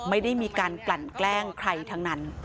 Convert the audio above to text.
ไม่ได้มีการกลั่นแกล้งใครทั้งนั้น